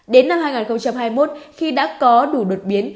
đến năm hai nghìn hai mươi một khi đã có đủ đột biến